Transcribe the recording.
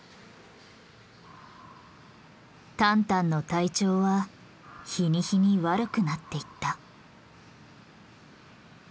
タンタンの体調は日に日に悪くなっていった。